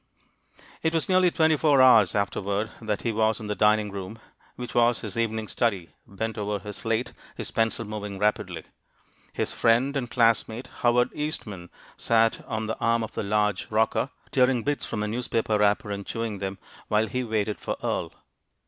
It was nearly twenty four hours afterward that he was in the dining room, which was his evening study, bent over his slate, his pencil moving rapidly. His friend and classmate, Howard Eastman, sat on the arm of the large rocker, tearing bits from a newspaper wrapper and chewing them, while he waited for Earle.